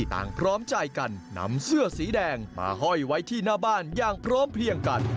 พร้อมใจกันนำเสื้อสีแดงมาห้อยไว้ที่หน้าบ้านอย่างพร้อมเพียงกัน